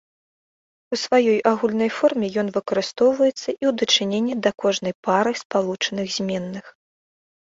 У сваёй агульнай форме ён выкарыстоўваецца і ў дачыненні да кожнай пары спалучаных зменных.